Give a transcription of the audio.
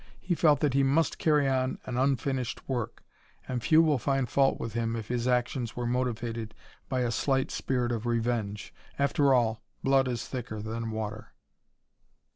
He felt that he must carry on an unfinished work, and few will find fault with him if his actions were motivated by a slight spirit of revenge. After all, blood is thicker than water.